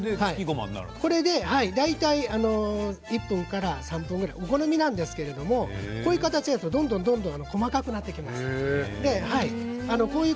これで大体１分から３分ぐらいお好みなんですけどこういう形だとどんどん細かくなっていきます。